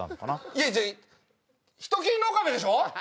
いや違う人斬りの岡部でしょ